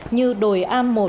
như đồi am một